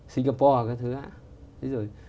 singapore các thứ